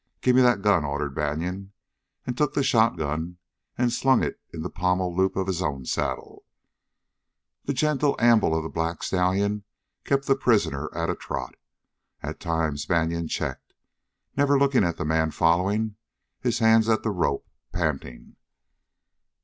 "Give me that gun," ordered Banion, and took the shotgun and slung it in the pommel loop of his own saddle. The gentle amble of the black stallion kept the prisoner at a trot. At times Banion checked, never looking at the man following, his hands at the rope, panting.